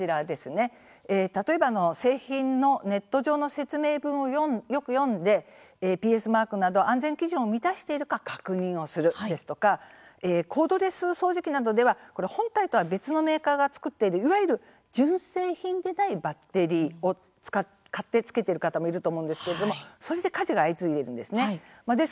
例えば、製品のネット上の説明文をよく読んでＰＳマークなど安全基準を満たしているか確認をするですとかコードレス掃除機などでは本体とは別のメーカーが作っている、いわゆる純正品でないバッテリーを買って付けている方もいると思うんですけれどもそれで火事が相次いでいるんです。